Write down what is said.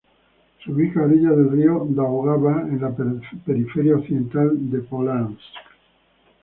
Se ubica a orillas del río Daugava en la periferia occidental de Pólatsk.